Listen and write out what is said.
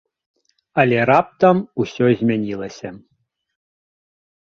Але раптам ўсё змянілася.